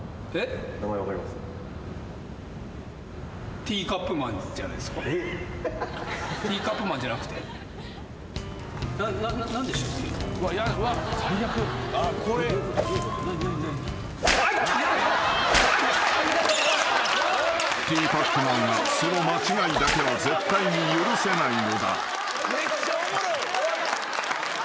［ティーパックマンはその間違いだけは絶対に許せないのだ］